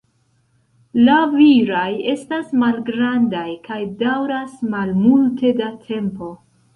La viraj estas malgrandaj kaj daŭras malmulte da tempo.